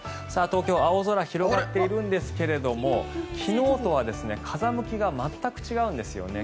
東京、青空広がっているんですけれども昨日とは風向きが全く違うんですよね。